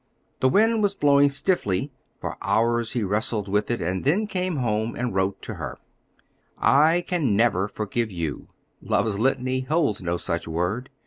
The wind was blowing stiffly; for hours he wrestled with it, and then came home and wrote to her: I can never forgive you; love's litany holds no such word.